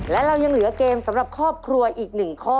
และเรายังเหลือเกมสำหรับครอบครัวอีก๑ข้อ